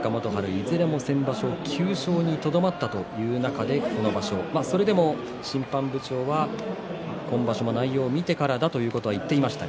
いずれも先場所９勝にとどまったという中でこの場所それでも審判部長は今場所の内容を見てからだということは言っていました。